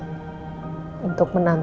gue ngerasa seperti apa